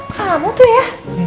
kamu tuh ya